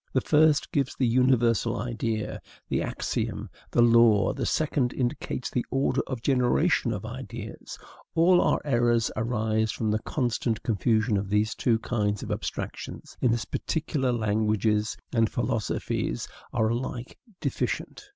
The first gives the universal idea, the axiom, the law; the second indicates the order of generation of ideas. All our errors arise from the constant confusion of these two kinds of abstractions. In this particular, languages and philosophies are alike deficient.